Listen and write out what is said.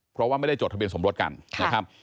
เพราะว่าไม่ได้จดทะเบียนสมรสกันนะครับ